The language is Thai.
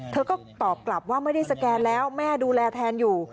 เธอก็ตอบกลับว่าไม่ได้สแกนแล้วแม่ดูแลแทนอยู่